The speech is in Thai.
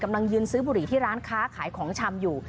กำลังยืนซื้อบุหรี่ที่ร้านค้าขายของชำอยู่